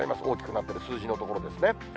大きくなってる数字の所ですね。